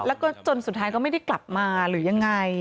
แล้วก็จนสุดท้ายก็ไม่ได้กลับมาหรือยังไง